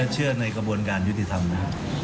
เชื่อในกระบวนการยุติธรรมนะครับ